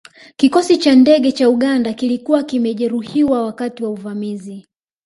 Kikosi cha ndege cha Uganda kilikuwa kimejeruhiwa wakati wa uvamizi